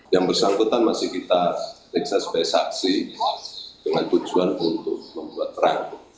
yang bersangkutan masih kita teksas besaksi dengan tujuan untuk membuat terang